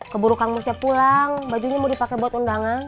keburu kangmus siap pulang bajunya mau dipakai buat undangan